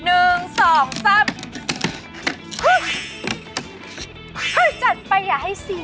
เอ๊ยจัดไปอย่าให้สี